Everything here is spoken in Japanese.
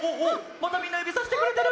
またみんなゆびさしてくれてる！